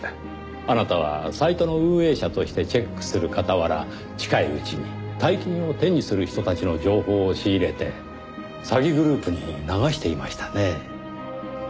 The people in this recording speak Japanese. あなたはサイトの運営者としてチェックする傍ら近いうちに大金を手にする人たちの情報を仕入れて詐欺グループに流していましたね？